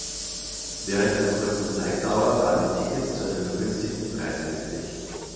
Während einer kurzen Zeitdauer waren die Tickets zu einem vergünstigten Preis erhältlich.